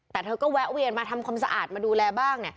แต่เธอก็แวะเวียนมาทำความสะอาดมาดูแลบ้าง